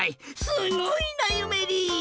すごいなゆめり！